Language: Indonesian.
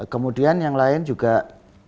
kemudian yang lain juga